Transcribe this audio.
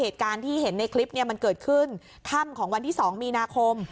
เหตุการณ์ที่เห็นในคลิปมันเกิดขึ้นค่ำของวันที่๒มีนาคม